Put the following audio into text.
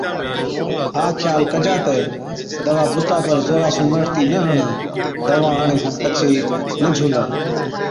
ها خيال ڪجا تہ دَوا بُتا پر زورا سُون مهٽتِي نہ هڻا، دَوا هڻڻي کن پڇي نہ جھُولا۔